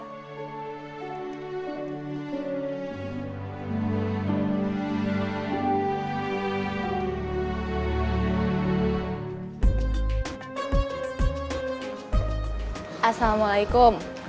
panggilin mamah dulu